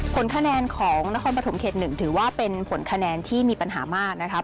ผลคะแนนของนครปฐมเขต๑ถือว่าเป็นผลคะแนนที่มีปัญหามากนะครับ